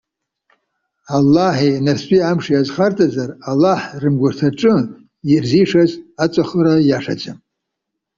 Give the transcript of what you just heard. Аллаҳи нарцәытәи амши азхарҵазар, Аллаҳ рымгәарҭаҿы ирзишаз аҵәахыра ииашаӡам.